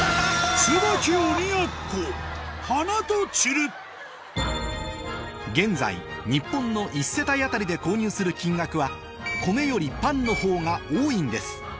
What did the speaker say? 椿鬼奴花と散る現在日本の１世帯あたりで購入する金額は米よりパンのほうが多いんです